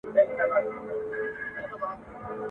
له کوم زکاته به موږ خېټه د مُلا ډکوو `